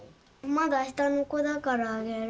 まだ下の子だからあげる。